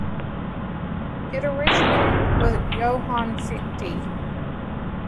It originated with Johann Fichte.